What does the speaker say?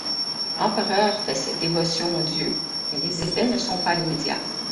L'empereur fait ses dévotions au dieu mais les effets ne sont pas immédiats.